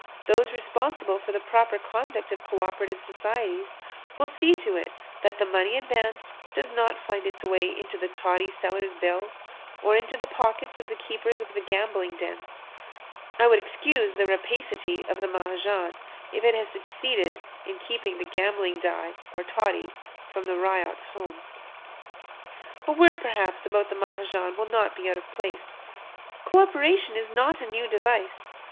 Those responsible for the proper conduct of co operative societies will see to it that the money advanced does not find its way into the toddy seller's bill or into the pockets of the keepers of gambling dens. I would excuse the rapacity of the Mahajan if it has succeeded in keeping the gambling die or toddy from the ryot's home. A word perhaps about the Mahajan will not be out of place. Co operation is not a new device.